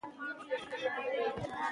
د نجونو ښوونځي ټولنیزې اړیکې ښې کوي.